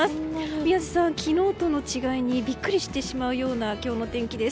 宮司さん、昨日との違いにビックリしてしまうような今日の天気です。